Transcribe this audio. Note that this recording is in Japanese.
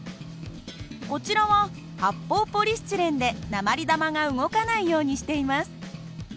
こちらは発泡ポリスチレンで鉛玉が動かないようにしています。